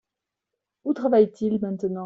Où travaille t-il maintenant ?